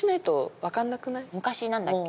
昔何だっけ？